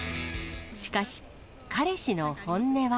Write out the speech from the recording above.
しかし、彼氏の本音は。